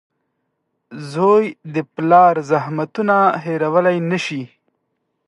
• زوی د پلار زحمتونه هېرولی نه شي.